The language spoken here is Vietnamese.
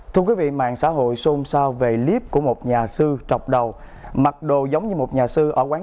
thưa quý vị mạng xã hội xôn xao về clip của một nhà sư trọc đầu mặc đồ giống như một nhà sư ở quán